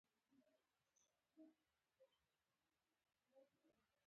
د ليمڅي پر يوه کونج غلې کېناسته.